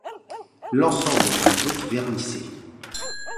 L'ensemble est en briques vernissées.